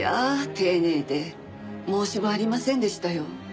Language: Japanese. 丁寧で申し分ありませんでしたよ。